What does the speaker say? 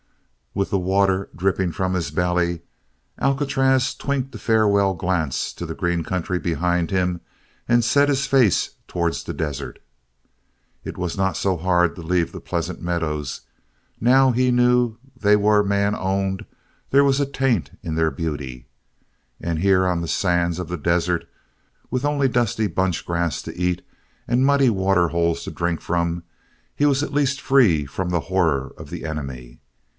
With the water dripping from his belly, Alcatraz twinked a farewell glance to the green country behind him and set his face towards the desert. It was not so hard to leave the pleasant meadows. Now that he knew they were man owned there was a taint in their beauty, and here on the sands of the desert with only dusty bunch grass to eat and muddy waterholes to drink from, he was at least free from the horror of the enemy.